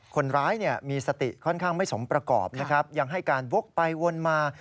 คนร้ายมีสติค่อนข้างไม่สมประกอบนะครับยังให้การวกไปวนมา